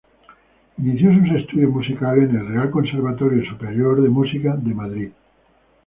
Inició sus estudios musicales en el Real Conservatorio Superior de Música de Madrid.